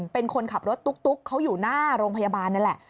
เป็นคนขับรถตุ๊กเขาอยู่หน้าโรงพยาบาลนี่แหละ